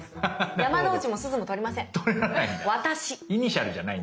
「山之内」も「すず」もとりません。